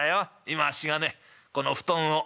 今あっしがねこの布団を」。